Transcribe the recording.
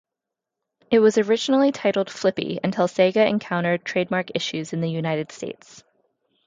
It was originally titled "Flippy" until Sega encountered trademark issues in the United States.